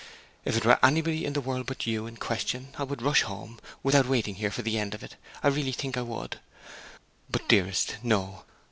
If it were anybody in the world but you in question I would rush home, without waiting here for the end of it, I really think I would! But, dearest, no.